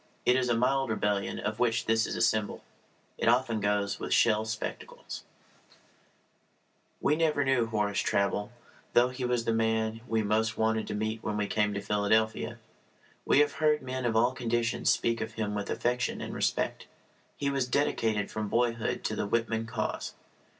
It is a mild rebellion of which this is symbol. It often goes with shell spectacles. We never knew Horace Traubel, though he was the man we most wanted to meet when we came to Philadelphia. We have heard men of all conditions speak of him with affection and respect. He was dedicated from boyhood to the Whitman cause.